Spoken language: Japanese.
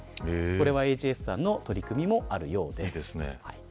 こうしたＨＩＳさんの取り組みもあるそうです。